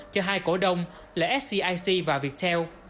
cho hai cổ đông là scic và viettel